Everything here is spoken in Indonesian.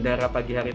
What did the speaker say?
jadi sekitar enam jam